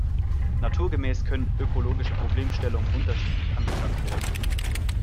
Naturgemäß können ökologische Problemstellungen unterschiedlich angegangen werden.